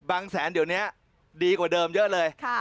บางแสนเดี๋ยวเนี้ยดีกว่าเดิมเยอะเลยค่ะ